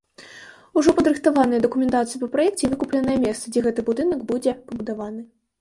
Ужо падрыхтаваная дакументацыя па праекце і выкупленае месца, дзе гэты будынак будзе пабудаваны.